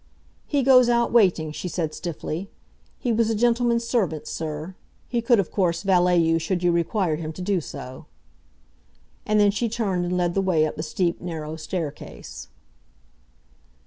"He goes out waiting," she said stiffly. "He was a gentleman's servant, sir. He could, of course, valet you should you require him to do so." And then she turned and led the way up the steep, narrow staircase.